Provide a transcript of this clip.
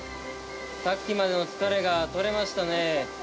さっきまでの疲れが取れましたね。